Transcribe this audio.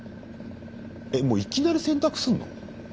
もういきなり洗濯すんの？